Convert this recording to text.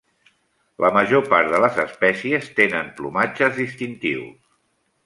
La major part de les espècies tenen plomatges distintius.